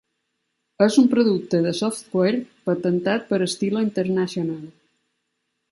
És un producte de software patentat per Stilo International.